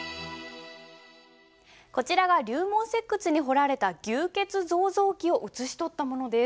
こちらが龍門石窟に彫られた「牛造像記」を写し取ったものです。